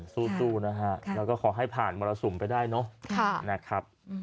สู้ตู้นะคะแล้วก็ขอให้ผ่านมรสุมไปได้เนอะ